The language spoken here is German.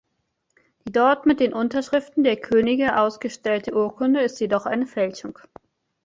Die dort mit den Unterschriften der Könige ausgestellte Urkunde ist jedoch eine Fälschung.